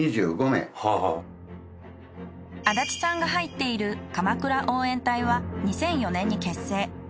足立さんが入っているかまくら応援隊は２００４年に結成。